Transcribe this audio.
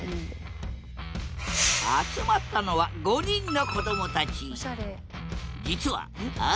集まったのは５人のこどもたち。